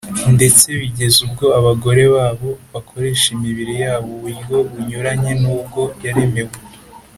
ndetse bigeza ubwo abagore babo bakoresha imibiri yabo uburyo bunyuranye n’ubwo yaremewe.